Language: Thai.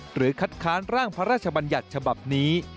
คัดค้านร่างพระราชบัญญัติฉบับนี้